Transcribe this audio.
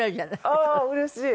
ああーうれしい。